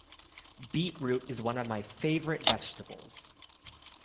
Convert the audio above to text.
Beetroot is one of my favourite vegetables